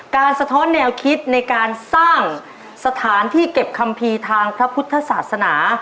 สะท้อนแนวคิดในการสร้างสถานที่เก็บคัมภีร์ทางพระพุทธศาสนา